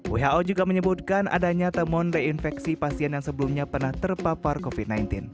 who juga menyebutkan adanya temuan reinfeksi pasien yang sebelumnya pernah terpapar covid sembilan belas